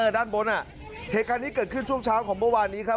ด้านบนเหตุการณ์นี้เกิดขึ้นช่วงเช้าของเมื่อวานนี้ครับ